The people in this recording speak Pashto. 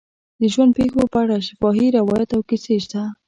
د ژوند پېښو په اړه شفاهي روایات او کیسې شته.